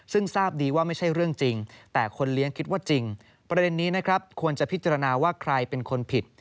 ซึ่งทราบดีว่าไม่ใช่เรื่องจริงแต่คนเลี้ยงคิดว่าจริงประเด็นนี้นะครับควรจะพิจารณาว่าใครเป็นคนผิด